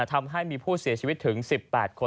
ทำให้มีผู้เสียชีวิตถึง๑๘คน